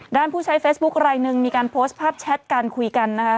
ผู้ใช้เฟซบุ๊คลายหนึ่งมีการโพสต์ภาพแชทการคุยกันนะคะ